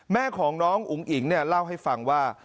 แม่ของน้องอุ๋งอิ๋งเล่าให้ฟังว่า